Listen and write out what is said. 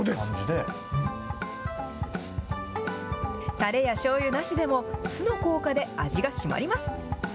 たれやしょうゆなしでも酢の効果で味がしまります。